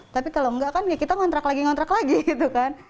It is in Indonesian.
tapi kalau enggak kan ya kita ngtrak lagi ngtrak lagi gitu kan